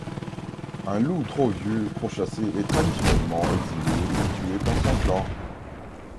Un loup trop vieux pour chasser est traditionnellement exilé ou tué par son clan.